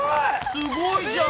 すごいじゃん！